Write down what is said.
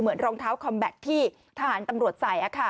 เหมือนรองเท้าคอมแบตที่ทหารตำรวจใส่